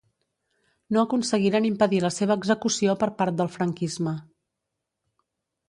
No aconseguiren impedir la seva execució per part del franquisme.